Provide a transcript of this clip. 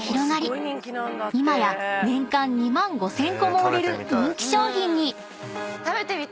今や年間２万５，０００個も売れる人気商品に］